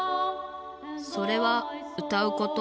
それはうたうこと。